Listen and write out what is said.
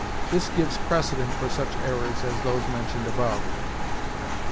This gives precedent for such errors as those mentioned above.